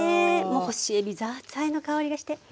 もう干しえびザーサイの香りがして。